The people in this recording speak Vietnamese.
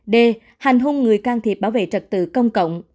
d hành hung người can thiệp bảo vệ trật tự công cộng